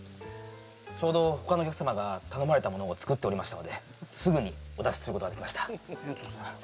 ちょうど他のお客様が頼まれたものを作っておりましたのですぐにお出しすることができましたありがとうございます